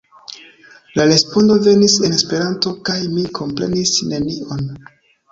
La respondo venis en Esperanto kaj mi komprenis nenion.